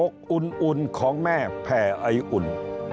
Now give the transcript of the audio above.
อุ่นของแม่แผ่อไออุ่น